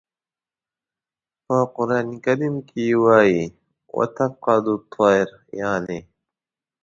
په قرآن کریم کې وایي "و تفقد الطیر" یانې.